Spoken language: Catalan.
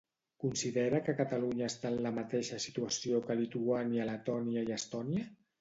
Considera que Catalunya està en la mateixa situació que Lituània, Letònia i Estònia?